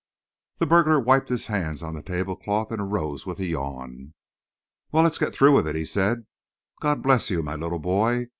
The burglar wiped his hands on the tablecloth and arose with a yawn. "Well, let's get through with it," he said. "God bless you, my little boy!